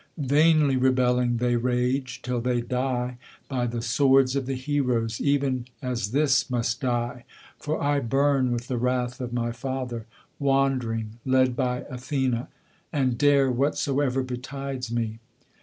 Vainly rebelling they rage, till they die by the swords of the heroes, Even as this must die; for I burn with the wrath of my father, Wandering, led by Athene; and dare whatsoever betides me.